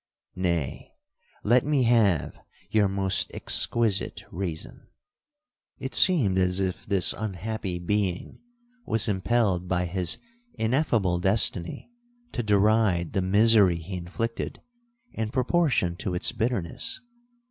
Nay, let me have 'your most exquisite reason.' 1 Alluding possibly to 'Romeo and Juliet.' 'It seemed as if this unhappy being was impelled by his ineffable destiny to deride the misery he inflicted, in proportion to its bitterness.